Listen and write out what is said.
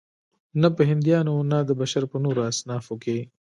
نه په هندیانو او نه د بشر په نورو اصنافو کې.